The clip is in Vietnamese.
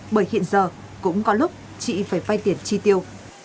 bởi hiện giờ cũng có lúc chị phải phai tiền chi tiêu